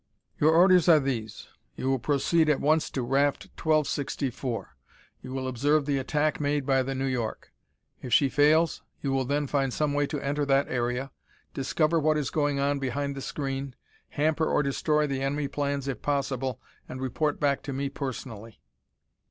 "Your orders are these. You will proceed at once to raft 1264. You will observe the attack made by the New York. If she fails, you will then find some way to enter that area, discover what is going on behind the screen, hamper or destroy the enemy plans if possible and report back to me personally."